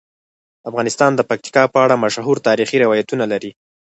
افغانستان د پکتیکا په اړه مشهور تاریخی روایتونه لري.